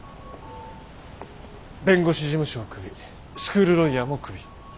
弁護士事務所をクビスクールロイヤーもクビ。